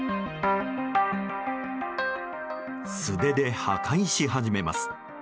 素手で破壊し始めます。